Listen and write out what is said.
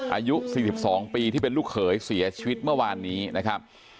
อายุ๔๒ปีที่เป็นลูกเขยเสียชีวิตเมื่อวานนี้นะครับ